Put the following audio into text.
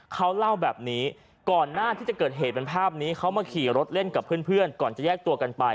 เขาเล่าแบบนี้ก่อนหน้าที่จะเกิดเหตุเป็นภาพนี้เขามาขี่รถเล่นกับเพื่อนก่อนจะแยกตัวกันไป